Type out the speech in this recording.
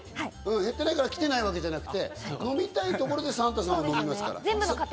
減ってないから来てないわけじゃなくて、飲みたいところでサンタさんは飲みますから。